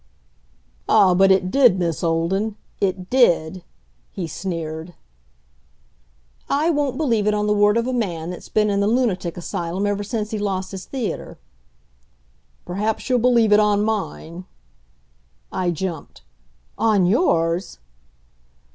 "Ah, but it did, Miss Olden, it did!" he sneered. "I won't believe it on the word of a man that's been in the lunatic asylum ever since he lost his theater." "Perhaps you'll believe it on mine." I jumped. "On yours!"